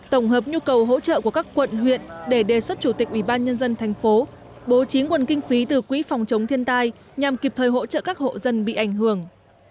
tổng hợp nhu cầu hỗ trợ của các quận huyện để đề xuất chủ tịch ủy ban nhân dân thành phố bố trí nguồn kinh phí từ quỹ phòng chống thiên tai nhằm kịp thời hỗ trợ các hộ dân bị ảnh hưởng